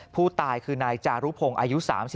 ผู้ตายคือนายจารุพงศ์อายุ๓๒